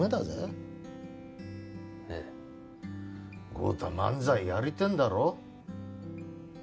豪太漫才やりてえんだろ？